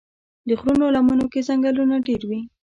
د غرونو لمنو کې ځنګلونه ډېر وي.